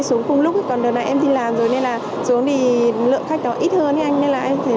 xuống cùng lúc còn đợt này em đi làm rồi nên là xuống thì lượng khách đó ít hơn thế anh nên là em thấy